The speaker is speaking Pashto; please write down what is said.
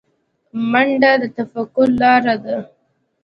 منډه د تفکر لاره ده